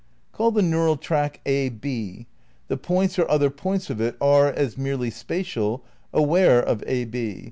Call the neural tract A B. The points or other parts of it are, as merely spatial, aware of ab.